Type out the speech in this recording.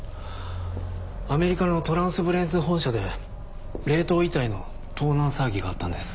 アメリカのトランスブレインズ本社で冷凍遺体の盗難騒ぎがあったんです。